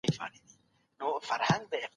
که سړی ډیر شرم وکړي نو ښه فرصتونه له لاسه ورکوي.